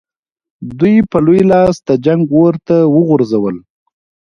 دوی په لوی لاس د جنګ اور ته وغورځول.